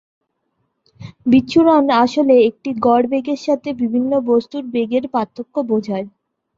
বিচ্ছুরণ আসলে একটি গড় বেগের সাথে বিভিন্ন বস্তুর বেগের পার্থক্য বোঝায়।